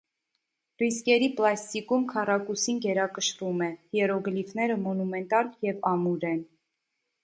Ռիսկերի պլաստիկում քառակուսին գերակշռում է, հիերոգլիֆները մոնումենտալ և ամուր են։